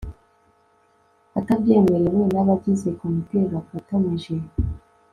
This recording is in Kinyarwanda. atabyemerewe n abagize komite bafatanyije